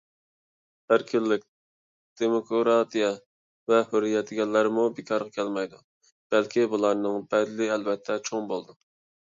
ئەركىنلىك، دېموكراتىيە ۋە ھۆرىيەت دېگەنلەرمۇ بىكارغا كەلمەيدۇ. بەلكى بۇلارنىڭ بەدىلى ئەلۋەتتە چوڭ بولىدۇ.